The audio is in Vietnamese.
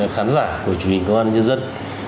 khán giả của chương trình công an nhân dân